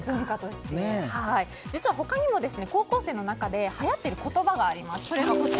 実は他にも高校生の中ではやってる言葉があります。